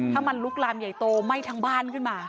ถ้ามันลุกลามใหญ่โตไหม้ทั้งบ้านขึ้นมา